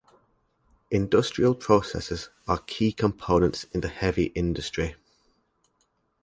Industrial processes are key components in the heavy industry.